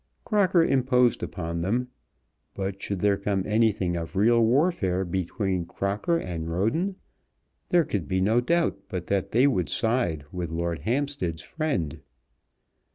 Crocker imposed upon them. But should there come anything of real warfare between Crocker and Roden, there could be no doubt but that they would side with Lord Hampstead's friend.